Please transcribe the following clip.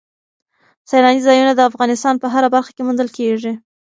سیلانی ځایونه د افغانستان په هره برخه کې موندل کېږي.